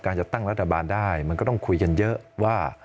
การจัดตั้งรัฐบาลได้มันก็ต้องคุยกันเยอะว่า